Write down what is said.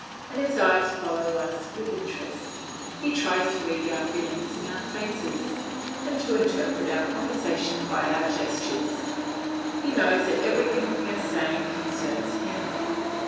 and his eyes follow us with interest; he tries to read our feelings in our faces, and to interpret our conversation by our gestures; he knows that everything we are saying concerns him.